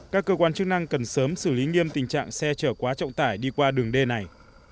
các cơ quan chức năng cần sớm xử lý nghiêm tình trạng xe chở quá trọng tải đi qua đường d này